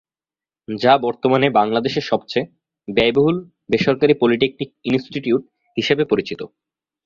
যা বর্তমানে বাংলাদেশের সবচেয়ে ব্যয়বহুল বেসরকারী পলিটেকনিক ইনস্টিটিউট হিসাবে পরিচিত।